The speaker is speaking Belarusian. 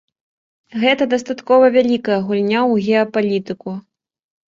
Гэта дастаткова вялікая гульня ў геапалітыку.